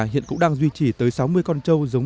hiện cũng đang duy trì tới sáu mươi con trâu giống